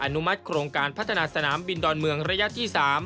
อนุมัติโครงการพัฒนาสนามบินดอนเมืองระยะที่๓